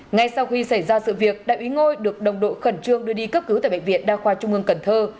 ngay sau khi xảy ra sự việc đại úy ngôi được đồng đội khẩn trương đưa đi cấp cứu tại bệnh viện đa khoa trung ương cần thơ